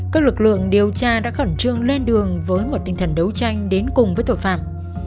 các lực lượng điều tra đã khẩn trương lên đường với một tinh thần đấu tranh đến cùng với tội phạm